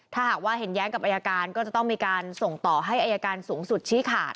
ถ้าหากว่าเห็นแย้งกับอายการก็จะต้องมีการส่งต่อให้อายการสูงสุดชี้ขาด